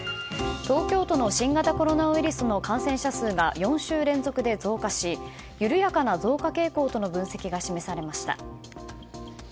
東京都の新型コロナウイルスの感染者数が４週連続で増加し緩やかな増加傾向との分析が示されました。